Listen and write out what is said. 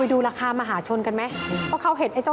ถอดนำนั้นก็คือ